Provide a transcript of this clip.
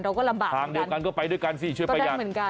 เราก็ลำบากเหมือนกันต้องได้เหมือนกันช่วยประหยาทางเดียวกันก็ไปด้วยกัน